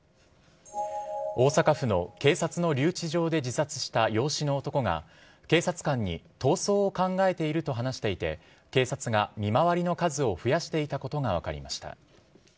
大阪府の警察の留置場で自殺した養子の男が警察官に逃走を考えていると話していて警察が見回りの数を増やしていたことが分かりました。